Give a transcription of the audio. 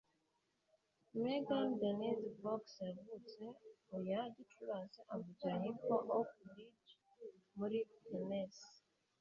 Megan Denise Fox yavutse ku ya Gicurasi , avukira ahitwa Oak Ridge, muri Tennesse.